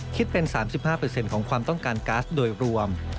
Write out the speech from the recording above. คิดเป็น๓๕ของความต้องการก๊าซโดยรวม